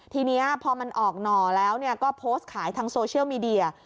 ทีนี้พอมันออกหน่อแล้วก็โพสต์ขายทางโซเชียลมีเดีย